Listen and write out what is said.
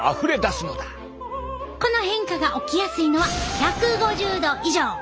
この変化が起きやすいのは１５０度以上！